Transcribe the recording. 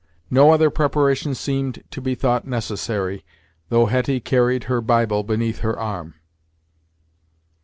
No other preparation seemed to be thought necessary, though Hetty carried her Bible beneath her arm.